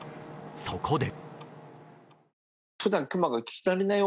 そこで。